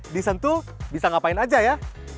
di sentul bisa ngapain aja ya